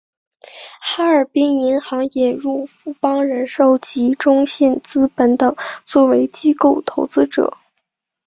哈尔滨银行引入富邦人寿及中信资本等作为机构投资者。